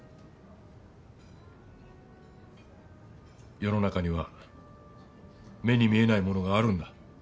世の中には目に見えないものがあるんだ。